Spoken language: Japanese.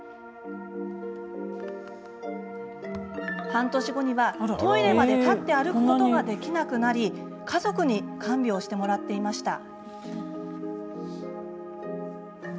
半年後には、トイレまで立って歩くことができなくなり家族に看病してもらっていました。